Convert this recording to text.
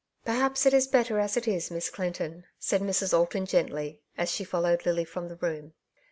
'''^ Perhaps it is better as it is. Miss Clinton," said Mrs. Alton gently, as she followed Lily from the room.